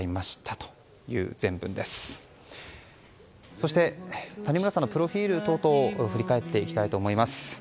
そして、谷村さんのプロフィール等を振り返っていきたいと思います。